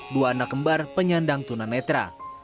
dua anak kembar penyandang tunanetra